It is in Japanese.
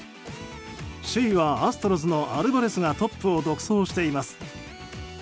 首位はアストロズのアルバレスがトップを独走しています。